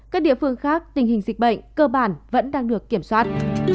các địa phương khác tình hình dịch bệnh cơ bản vẫn đang được kiểm soát